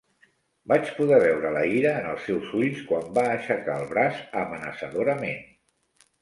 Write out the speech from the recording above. Vaig poder veure la ira en els seus ulls quan va aixecar el braç amenaçadorament.